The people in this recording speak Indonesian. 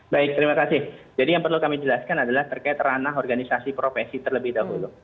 baik terima kasih jadi yang perlu kami jelaskan adalah terkait ranah organisasi profesi terlebih dahulu